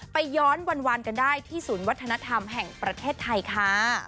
ไปย้อนวันกันได้ที่ศูนย์วัฒนธรรมแห่งประเทศไทยค่ะ